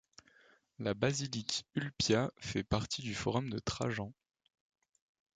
La basilique Ulpia fait partie du forum de Trajan.